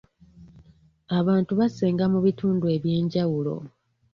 Abantu basenga mu bitundu eby'enjawulo.